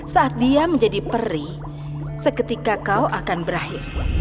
saat dia menjadi peri seketika kau akan berakhir